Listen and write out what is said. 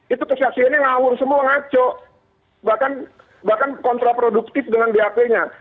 itu kesaksiannya ngawur semua ngaco bahkan kontraproduktif dengan bap nya